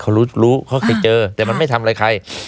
เขารู้รู้เขาเคยเจอแต่มันไม่ทำอะไรใคร